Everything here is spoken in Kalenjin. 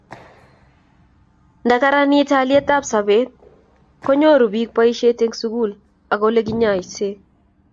Nda karanit haliyet ab sobet ko nyoru piik boiset eng' sugul ak ole kinyaisee